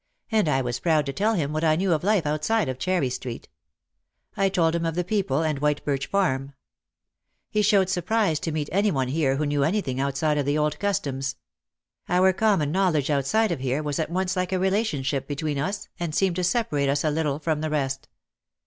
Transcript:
And I was proud to tell him what I knew of life outside of Cherry Street. I told him of the people and White Birch Farm. He showed surprise to meet any one here who knew anything outside of the old customs. Our common knowledge outside of here was at once like a relationship between us and seemed to separate us a little from the rest.